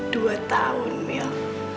dua tahun mil